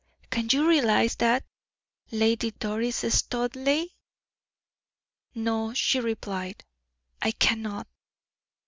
can you realize that, Lady Doris Studleigh?" "No," she replied, "I cannot."